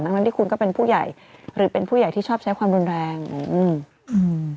ทั้งทั้งที่คุณก็เป็นผู้ใหญ่หรือเป็นผู้ใหญ่ที่ชอบใช้ความรุนแรงอืมอืม